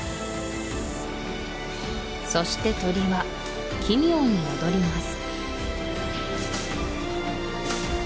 そして鳥は奇妙に踊ります